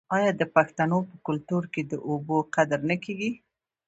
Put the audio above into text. آیا د پښتنو په کلتور کې د اوبو قدر نه کیږي؟